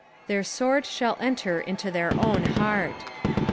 TTieir taord tkall enter into their ovm heart."